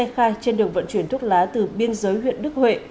khai trên đường vận chuyển thuốc lá từ biên giới huyện đức huệ